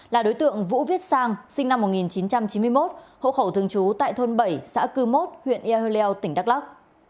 là đối tượng vũ viết sang sinh năm một nghìn chín trăm chín mươi một hộ khẩu thường trú tại thôn bảy xã cư mốt huyện ea hơ leo tỉnh đắk lắc